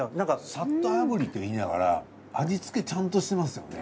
さっとあぶりといいながら味付けちゃんとしてますよね。